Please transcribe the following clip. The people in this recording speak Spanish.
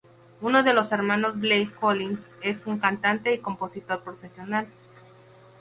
Uno de sus hermanos, Blake Collins, es un cantante y compositor profesional.